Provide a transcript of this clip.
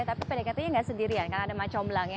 tapi pdkt nya enggak sendirian karena ada macombelangnya